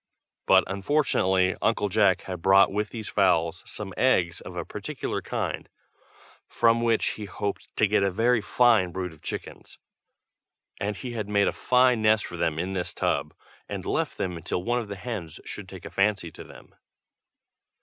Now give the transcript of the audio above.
But, unfortunately, Uncle Jack had bought with these fowls some eggs of a peculiar kind, from which he hoped to get a very fine brood of chickens; and he had made a fine nest for them in this tub and left them till one of the hens should take a fancy to them.